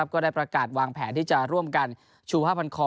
ก็ได้ประกาศวางแผนที่จะร่วมกันชูผ้าพันคอ